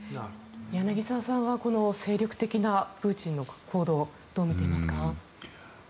柳澤さんはこの精力的なプーチンの報道をどう見ていますか。